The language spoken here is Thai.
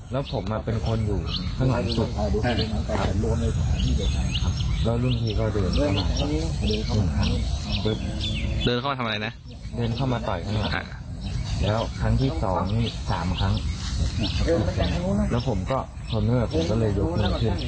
แล้วที่๒นี่๓ครั้งก็ยืดเสร็จแล้วผมก็ต้องยกมือขึ้น